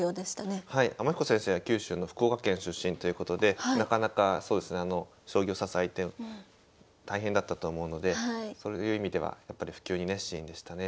天彦先生は九州の福岡県出身ということでなかなかそうですねあの将棋を指す相手大変だったと思うのでそういう意味ではやっぱり普及に熱心でしたね。